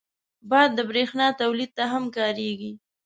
باد د بریښنا تولید ته هم کارېږي